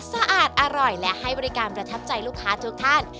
สะอาดอร่อยและให้บริการประทับใจลูกค้าทุกท่าน